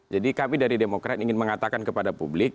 jadi kami dari demokrat ingin mengatakan kepada publik